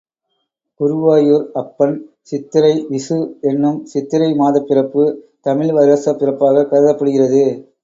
குருவாயூர் அப்பன் சித்திரை விஷு என்னும் சித்திரை மாதப் பிறப்பு தமிழ் வருஷப் பிறப்பாகக் கருதப்படுகிறது.